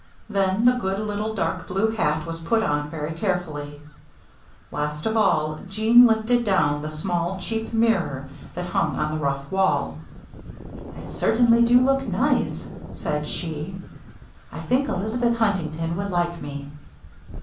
Then the good little dark blue hat was put on very carefully. Last of all, Jeanne lifted down the small, cheap mirror that hung on the rough wall. "I certainly do look nice," said she. "I think Elizabeth Huntington would like me."